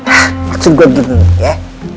hah maksud gue gini ya